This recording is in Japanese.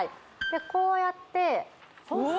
こうやっておお！